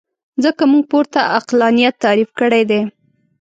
ځکه موږ پورته عقلانیت تعریف کړی دی.